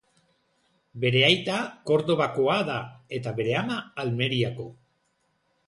Bere aita Kordobakoa da eta bere ama Almeriako.